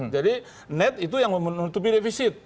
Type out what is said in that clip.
net itu yang menutupi defisit